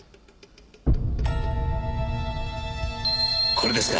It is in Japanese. これですか？